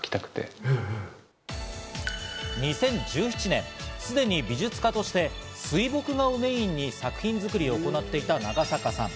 ２０１７年、すでに美術家として水墨画をメインに作品作りを行っていた長坂さん。